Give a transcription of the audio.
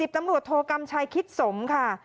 ตำรวจโทกำชัยคิดสมค่ะ